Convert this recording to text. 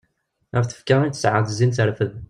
Ɣer tfekka i tesɛa d zzin terfed.